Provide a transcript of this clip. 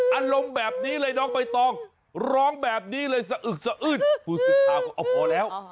อารมณ์แบบนี้เลยน้องใบตองร้องแบบนี้เลยสะอึกสะอื้นผู้สื่อข่าวก็เอาพอแล้ว